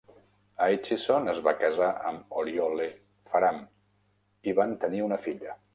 Aitchison es va casar amb Oriole Faram i van tenir una filla.